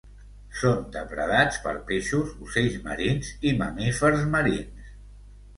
Són depredats per peixos, ocells marins i mamífers marins.